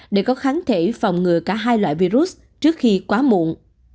để có kháng thể phòng ngừa cả hai loại virus trước khi quá muộn